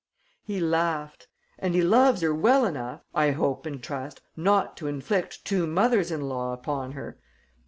He laughed. "And he loves her well enough, I hope and trust, not to inflict two mothers in law upon her!